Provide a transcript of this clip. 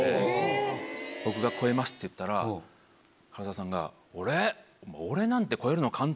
僕が「超えます」って言ったら唐沢さんが「俺？」。